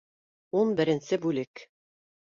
Ун беренсе бүлек